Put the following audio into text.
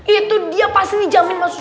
itu dia pasti dijamin masuk